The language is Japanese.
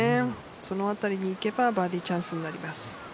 その辺りにいけばバーディーチャンスになります。